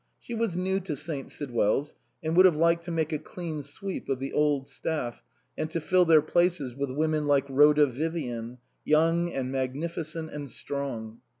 She was new to St. Sidwell's, and would have liked to make a clean sweep of the old staff and to fill their places with women like Rhoda Vivian, young and magnificent and strong.